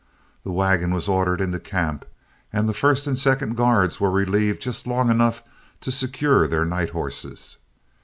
The wagon was ordered into camp, and the first and second guards were relieved just long enough to secure their night horses.